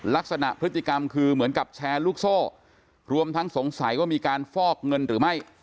ลักษณะพฤติกรรมคือเหมือนกับแชร์ลูกโซ่รวมทั้งสงสัยว่ามีการฟอกเงินหรือไม่